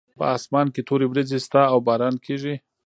په اسمان کې تورې وریځې شته او باران کیږي